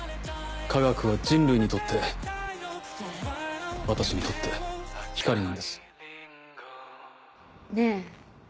科学は人類にとって私にとって光なんです。